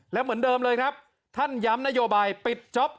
และเหมือนเดิมเลยท่านย้ำนโยบายปิดจ๊อบความจนทสประกัน